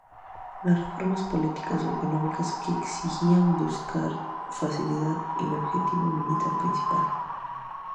Las reformas políticas o económicas que exigían buscaban facilitar el objetivo militar principal.